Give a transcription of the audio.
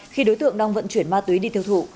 khi đối tượng đang vận chuyển ma túy đi tiêu thụ